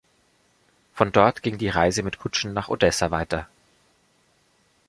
Von dort ging die Reise mit Kutschen nach Odessa weiter.